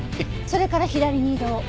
それから左に移動。